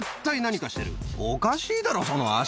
おかしいだろその足。